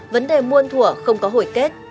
vấn đề muôn thủa không có hổi kết